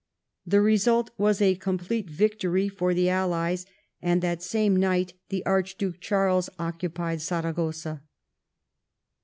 The result was a complete victory for the Allies, and that same night the Archduke Charles occupied Saragossa.